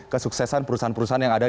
kesuksesan perusahaan perusahaan yang ada